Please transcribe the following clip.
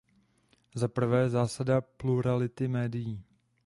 Za prvé, zásada plurality médií.